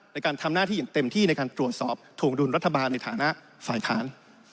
ในการทำหน้าที่อย่างเต็มที่ในการตรวจสอบถวงดุลรัฐบาลในฐานะฝ่ายค้าน